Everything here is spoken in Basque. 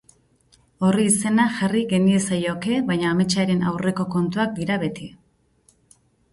Horri izena jarri geniezaioke, baina ametsaren aurreko kontuak dira beti.